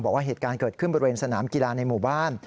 บอกว่าเหตุการณ์เกิดขึ้นบริเวณสนามกีฬาในหมู่บ้าน